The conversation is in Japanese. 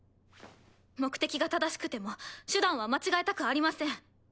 目的が正しくても手段は間違えたくありません。